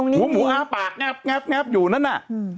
หูหมูอ้าปากแบบอยู่นั่นน่ะ